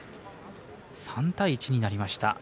３対１になりました。